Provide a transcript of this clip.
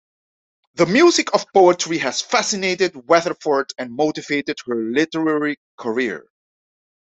The music of poetry has fascinated Weatherford and motivated her literary career.